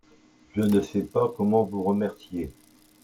Je ne sais pas comment vous remercier.